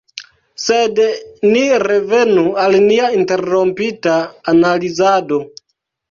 Sed ni revenu al nia interrompita analizado.